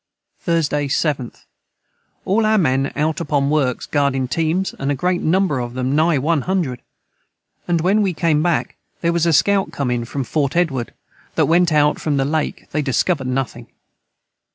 Thursday 7th. All our men out upon works guardin teams a great number of them nigh 100 & when we came back their was a scout com in to Fort Edward that went out from the Lake they discoverd nothing.